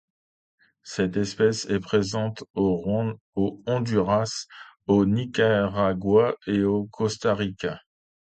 Cette espèce est présente au Honduras, au Nicaragua et au Costa Rica.